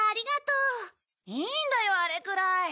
いいんだよあれくらい。